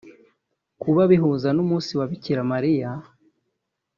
Kuba bihuza n’umunsi wa Bikira Mariya